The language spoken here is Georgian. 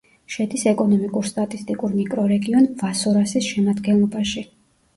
შედის ეკონომიკურ-სტატისტიკურ მიკრორეგიონ ვასორასის შემადგენლობაში.